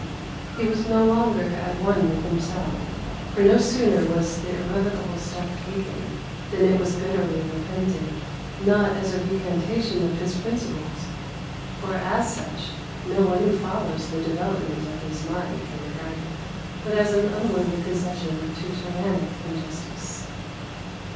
He was no longer at one with himself, for no sooner was the irrevocable step taken than it was bitterly repented, not as a recantation of his principles for as such, no one who follows the development of his mind can regard it, but as an unworthy concession to tyrannic injustice.